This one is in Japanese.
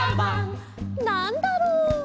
「なんだろう？」